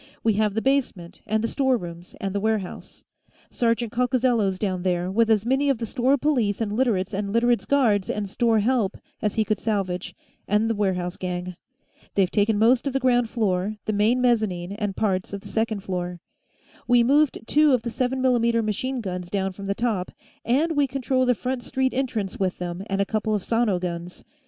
We have the basement and the storerooms and the warehouse Sergeant Coccozello's down there, with as many of the store police and Literates and Literates' guards and store help as he could salvage, and the warehouse gang. They've taken most of the ground floor, the main mezzanine, and parts of the second floor. We moved two of the 7 mm machine guns down from the top, and we control the front street entrance with them and a couple of sono guns.